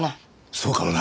そうかもな。